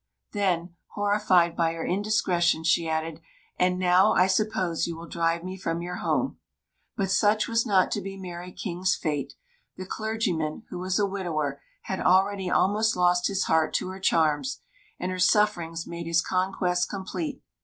Then, horrified by her indiscretion, she added: "And now, I suppose, you will drive me from your home." But such was not to be Mary King's fate. The clergyman, who was a widower, had already almost lost his heart to her charms; and her sufferings made his conquest complete.